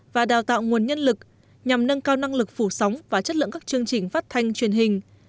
và đào tạo nguồn nhân lực nhằm nâng cao năng lực phủ sóng và chất lượng các chương trình phát thanh truyền hình